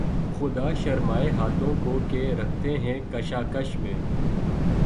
خدا شرمائے ہاتھوں کو کہ رکھتے ہیں کشاکش میں